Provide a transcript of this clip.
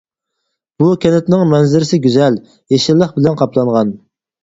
بۇ كەنتنىڭ مەنزىرىسى گۈزەل، يېشىللىق بىلەن قاپلانغان.